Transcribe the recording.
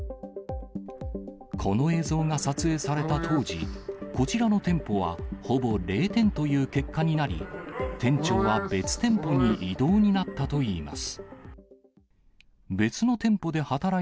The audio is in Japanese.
この映像が撮影された当時、こちらの店舗はほぼ０点という結果になり、店長は別店舗に異動になったといいます。